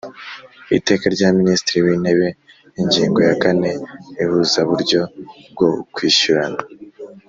Iteka rya Minisitiri w Intebe Ingingo ya kane Ihuzaburyo bwo kwishyurana